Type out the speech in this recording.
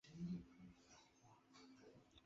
烘箱是实验室中的一种加热设备。